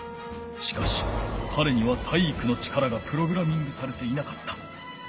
しかしかれには体育の力がプログラミングされていなかった。